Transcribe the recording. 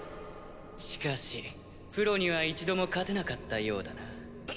しかしプロには一度も勝てなかったようだな。